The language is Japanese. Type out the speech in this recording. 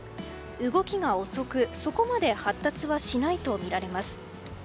動きが遅く、そこまで発達はしないとみられます。